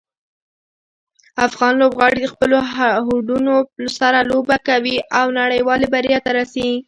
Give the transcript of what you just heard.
افغان لوبغاړي د خپلو هوډونو سره لوبه کوي او نړیوالې بریا ته رسي.